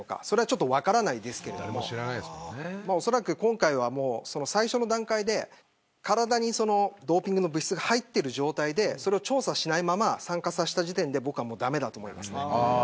それはちょっと分からないですけども恐らく、今回は最初の段階で体にドーピングの物質が入ってる状態でそれを調査しないまま参加させた時点で僕はもう駄目だと思います。